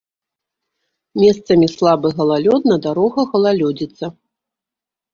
Месцамі слабы галалёд, на дарогах галалёдзіца.